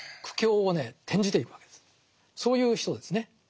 そういう人ですね。